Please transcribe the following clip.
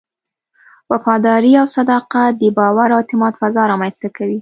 وفاداري او صداقت د باور او اعتماد فضا رامنځته کوي.